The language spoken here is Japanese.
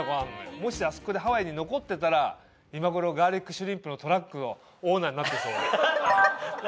もしあそこでハワイに残ってたら今頃ガーリックシュリンプのトラックのオーナーになってそう。